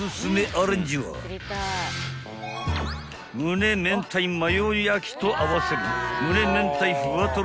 ［むね明太マヨ焼と合わせる］